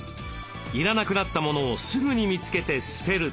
要らなくなったモノをすぐに見つけて捨てる。